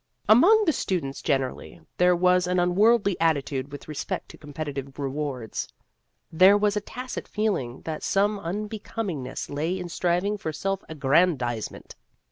Among the students generally there was an unworldly attitude with respect to competitive rewards ; there was a tacit feeling that some unbecomingness lay in striving for self aggrandizement.